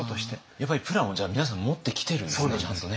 やっぱりプランをじゃあ皆さん持ってきてるんですねちゃんとね。